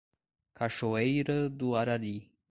Cachoeira do Arari